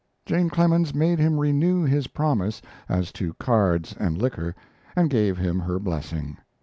Jane Clemens made him renew his promise as to cards and liquor, and gave him her blessing.